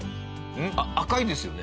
赤いですよね？